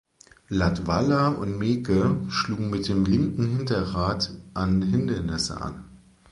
Latvala und Meeke schlugen mit dem linken Hinterrad an Hindernisse an.